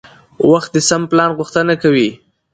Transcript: وخت د سم پلان غوښتنه کوي